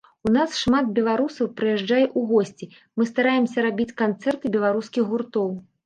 У нас шмат беларусаў прыязджае ў госці, мы стараемся рабіць канцэрты беларускіх гуртоў.